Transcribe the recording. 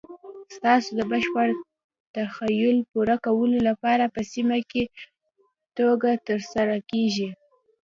ستاسو د بشپړ تخیل پوره کولو لپاره په سمه توګه تر سره کیږي.